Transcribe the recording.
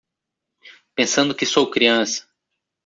Pensando que sou criança